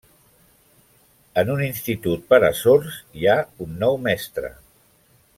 En un Institut per a sords hi ha un nou mestre.